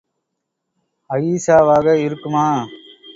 அயீஷா வாக இருக்குமா?